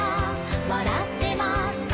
“笑ってますか？”